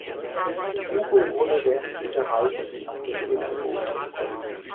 Hugo wurde während dieser Reise in Apulien geboren.